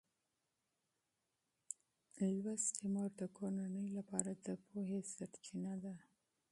د زده کړې مور د کورنۍ لپاره د پوهې سرچینه ده.